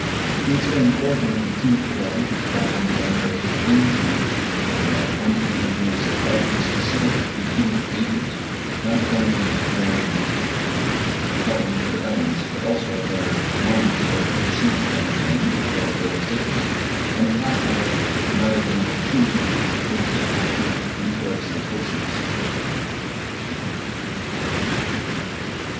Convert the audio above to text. =We explain the origin of leukæmic blood by the emigration into the blood under the influence of the specific leukæmic agent, not only of the formed polynuclear elements, but also of their mononuclear, eosinophil and neutrophil early stages; and to classify myelogenic leukæmia with the active leucocytoses.